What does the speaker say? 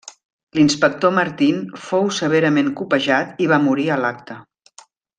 L'inspector Martin fou severament copejat i va morir a l'acte.